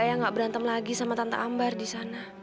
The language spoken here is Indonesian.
semoga ea gak berantem lagi sama tante ambar di sana